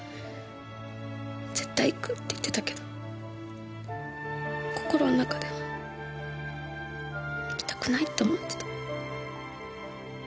絶対行くって言ってたけど心の中では行きたくないって思ってた。